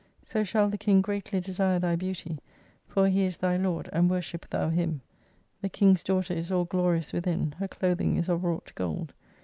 So shall the King greatly desire thy beauty, for He is thy Lord, and worship thou Him. The King's daughter is all glorious within, her clothing is of wrought gold.